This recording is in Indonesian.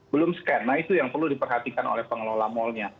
belum scan nah itu yang perlu diperhatikan oleh pengelola malnya